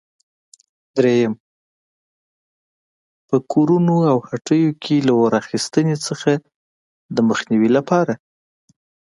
درېیم: په کورونو او هټیو کې له اور اخیستنې څخه د مخنیوي لپاره؟